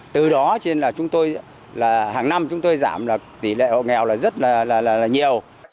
từ đó cho nên là chúng tôi là hàng năm chúng tôi giảm là tỷ lệ hộ nghèo là rất là nhiều